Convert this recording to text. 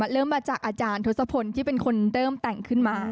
เริ่มมาจากอาจารย์ทศพลที่เป็นคนเริ่มแต่งขึ้นมา